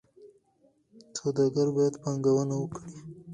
سوداګر باید پانګونه وکړي.